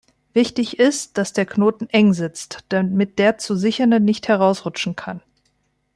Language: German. Wichtig ist, dass der Knoten eng sitzt, damit der zu Sichernde nicht herausrutschen kann.